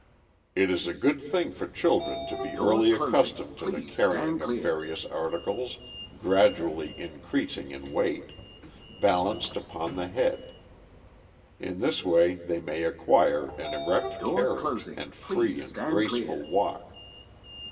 ] "It is a good thing for children to be early accustomed to the carrying of various articles, gradually increasing in weight, balanced upon the head. In this way they may acquire an erect carriage, and free and graceful walk."